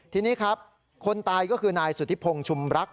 ทีนี้ครับคนตายก็คือนายสุธิพงศ์ชุมรัก